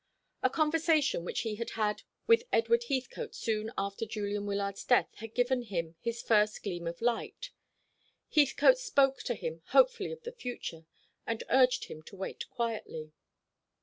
A conversation which he had with Edward Heathcote soon after Julian Wyllard's death had given him his first gleam of light. Heathcote spoke to him hopefully of the future, and urged him to wait quietly.